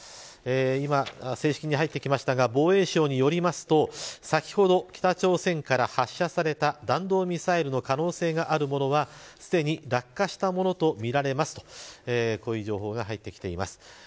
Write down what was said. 今、正式に入ってきましたが防衛省によりますと先ほど北朝鮮から発射された弾道ミサイルの可能性があるものはすでに、落下したものとみられますとこういう情報が入ってきています。